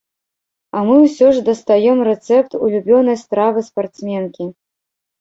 А мы ўсё ж дастаём рэцэпт улюбёнай стравы спартсменкі.